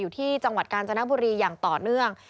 ที่จังหวัดกาญจนบุรีอย่างต่อเนื่อง